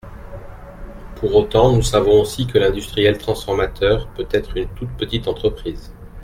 Pour autant, nous savons aussi que l’industriel transformateur peut être une toute petite entreprise.